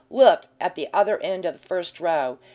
Look at the other end of the first row.